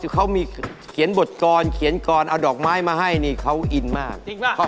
เขามีเขียนบทกรเขียนกรเอาดอกไม้มาให้นี่เขาอินมาก